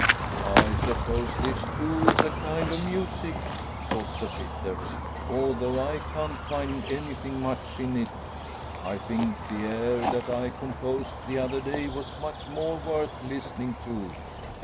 "I suppose this, too, is a kind of music," thought the fiddler, "although I can't find anything much in it! I think the air that I composed the other day was much more worth listening to."